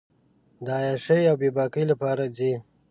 د عیاشۍ اوبېباکۍ لپاره ځي.